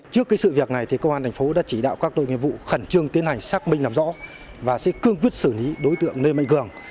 trước sự việc này thì công an thành phố đã chỉ đạo các đội nghiệp vụ khẩn trương tiến hành xác minh làm rõ và sẽ cương quyết xử lý đối tượng lê mạnh cường